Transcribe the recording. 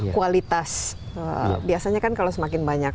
kualitas biasanya kan kalau semakin banyak